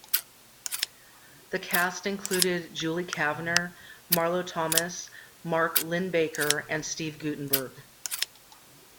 The cast included Julie Kavner, Marlo Thomas, Mark Linn-Baker and Steve Guttenberg.